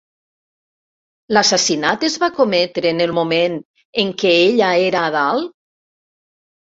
L'assassinat es va cometre en el moment en què ella era a dalt?